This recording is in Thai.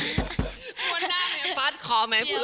งดได้ไหมฟัสขอไหมเผื่อ